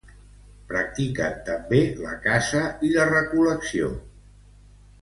Practiquen també la caça i la recol·lecció.